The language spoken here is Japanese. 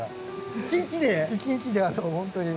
一日で本当に。